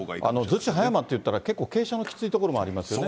逗子、葉山っていったら結構傾斜のきつい所もありますよね。